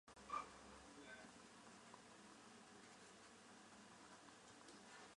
尸体头部和背部均有枪伤。